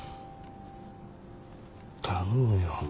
頼むよ。